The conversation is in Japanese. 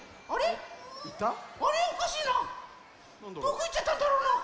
どこいっちゃったんだろうな。